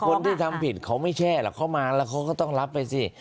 คนที่ทำผิดเขาไม่แช่หรอกเขามาแล้วเขาก็ต้องรับไปสิ